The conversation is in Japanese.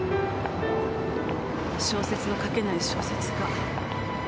小説の書けない小説家。